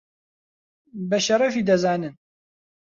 بە شەرەفی دەزانن